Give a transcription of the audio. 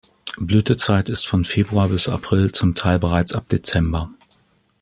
Blütezeit ist von Februar bis April, zum Teil bereits ab Dezember.